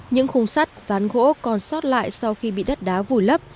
những khung sắt ván gỗ còn sót lại sau khi bị đất đá vùi lấp